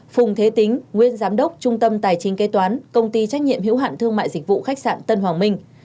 phùng thế tính nguyên giám đốc trung tâm tài chính kế toán công ty trách nhiệm hữu hạn thương mại dịch vụ khách sạn tân hoàng minh